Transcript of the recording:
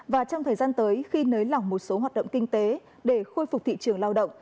và trong thời gian tới khi nới lỏng một số hoạt động kinh tế để khôi phục thị trường lao động